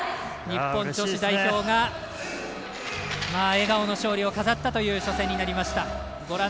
日本女子代表が笑顔の勝利を飾ったという初戦になりました。